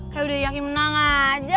kayak udah yakin menang aja